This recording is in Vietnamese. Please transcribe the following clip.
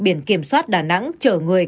biển kiểm soát đà nẵng chở người